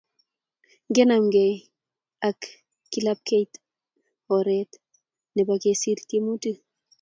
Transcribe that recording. Ngenemkei ak kakiletapkei ko oret nebo kesir tiemutik